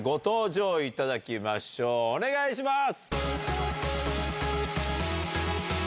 ⁉お願いします！